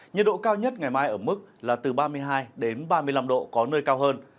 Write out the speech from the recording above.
nhiệt độ cao nhất ngày mai ở mức là từ ba mươi hai đến ba mươi năm độ có nơi cao hơn